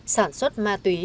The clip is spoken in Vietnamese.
sản xuất ma túy